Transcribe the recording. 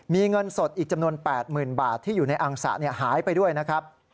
มีเงินสดอีกจำนวน๘๐๐๐บาทที่อยู่ในอังสะหายไปด้วยนะครับ